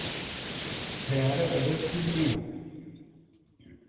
تەیارە بە دەست من نییە.